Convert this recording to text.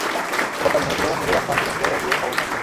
একবার তার মনে হয়েছিল, নিজেই আসফান পর্যন্ত গিয়ে খবর নিয়ে আসবেন।